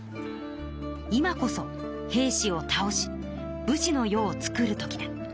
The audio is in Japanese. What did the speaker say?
「今こそ平氏をたおし武士の世をつくるときだ」。